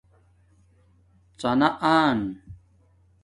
ڎانا انا